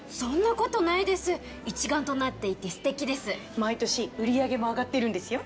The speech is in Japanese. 毎年売り上げも上がってるんですよ